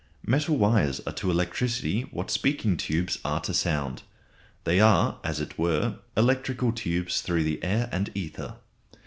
Metal wires are to electricity what speaking tubes are to sound; they are as it were electrical tubes through the air and ether.